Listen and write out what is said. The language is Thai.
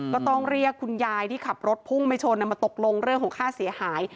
ก็ต้องเรียกคุณยายที่ขับรถพุ่งไม่ชนมาตกลงเรื่องของค่าเสียหาย